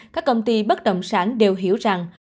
các công ty bất động sản đều hiểu rằng